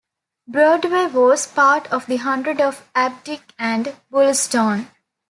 Broadway was part of the hundred of Abdick and Bulstone.